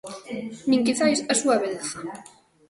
Nin, quizais, a súa beleza.